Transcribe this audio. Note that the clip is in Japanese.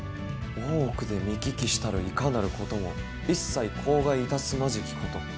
大奥で見聞きしたるいかなることも一切口外いたすまじきこと。